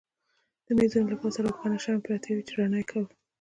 د مېزونو له پاسه روښانه شمعې پرتې وې چې رڼا یې کوله.